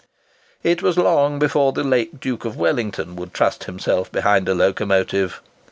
It was long before the late Duke of Wellington would trust himself behind a locomotive.